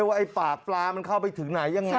ว่าปากปลามันเข้าไปถึงไหนอย่างไร